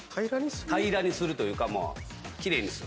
平らにするというかまあ奇麗にする。